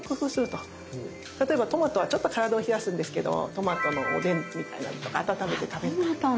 例えばトマトはちょっと体を冷やすんですけどトマトのおでんみたいなのとか温めて食べる。